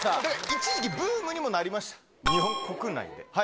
一時期、ブームにもなりまし日本国内で？